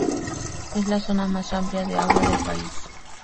Es la zona más amplia de agua del país.